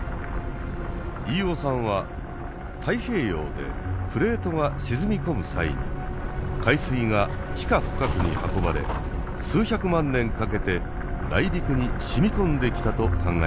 飯尾さんは太平洋でプレートが沈み込む際に海水が地下深くに運ばれ数百万年かけて内陸に染み込んできたと考えています。